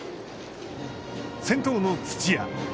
先頭の土屋。